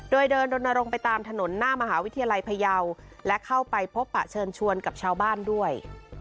โดยเดินรณรงค์ไปตามถนนหน้ามหาวิทยาลัยพยาวและเข้าไปพบปะเชิญชวนกับชาวบ้านด้วย